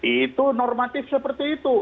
itu normatif seperti itu